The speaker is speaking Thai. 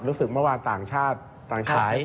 รู้สึกเมื่อวานต่างชาติต่างชาย